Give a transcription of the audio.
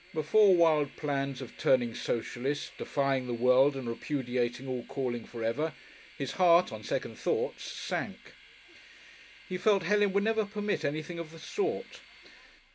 Before wild plans of turning socialist, defying the world and repudiating all calling for ever, his heart on second thoughts sank. He felt Helen would never permit anything of the sort.